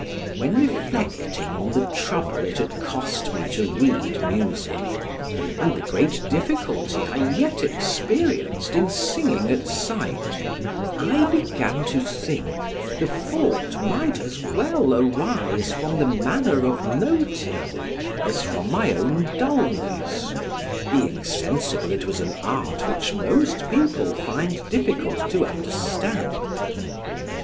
When reflecting on the trouble it had cost me to read music, and the great difficulty I yet experienced in singing at sight, I began to think the fault might as well arise from the manner of noting as from my own dulness, being sensible it was an art which most people find difficult to understand.